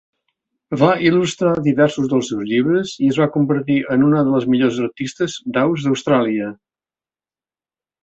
Va il·lustrar diversos dels seus llibres i es va convertir en una de les millors artistes d'aus d'Austràlia.